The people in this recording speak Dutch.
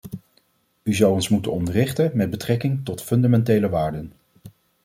U zou ons moeten onderrichten met betrekking tot fundamentele waarden.